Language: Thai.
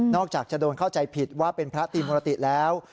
อกจากจะโดนเข้าใจผิดว่าเป็นพระตีมุรติแล้ว